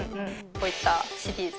こういったシリーズ。